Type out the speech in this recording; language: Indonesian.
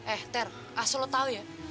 eh ter asal lo tau ya